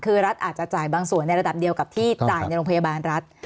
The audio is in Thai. คือรัฐอาจจะจ่ายบางส่วนในระดับเดียวกับที่จ่ายในโรงพยาบาลรัฐ